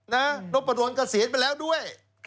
น้องประดนก็เสียไปแล้วด้วย